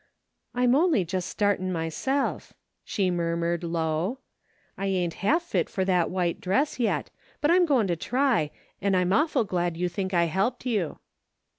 "I'm only just startin' myself," she mur 310 A DAILY BATE. mured low. " I ain't half fit for that white dress yet, but I'm goin' to try, an' I'm awful glad you think I helped you."